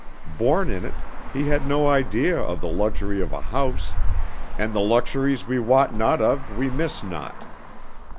Born in it he had no idea of the luxury of a house and the luxuries we wot not of we miss not.